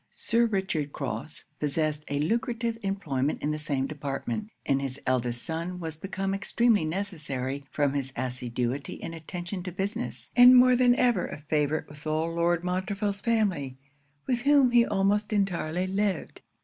Sir Richard Crofts possessed a lucrative employment in the same department; and his eldest son was become extremely necessary, from his assiduity and attention to business, and more than ever a favourite with all Lord Montreville's family, with whom he almost entirely lived.